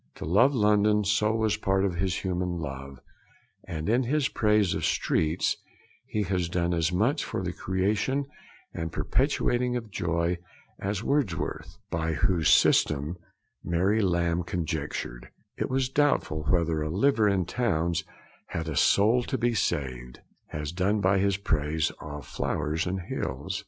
To love London so was part of his human love, and in his praise of streets he has done as much for the creation and perpetuating of joy as Wordsworth ('by whose system,' Mary Lamb conjectured, 'it was doubtful whether a liver in towns had a soul to be saved') has done by his praise of flowers and hills.